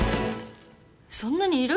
そんなにいる？